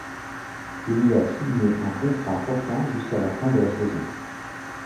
Il y a signé un contrat portant jusqu'à la fin de la saison.